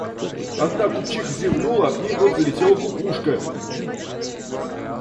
Одна купчиха зевнула, а к ней в рот залетела кукушка.